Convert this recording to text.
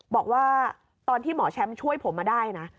บอกว่าตอนที่หมอแชมป์ช่วยผมมาได้นะ